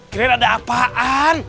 kirain ada apaan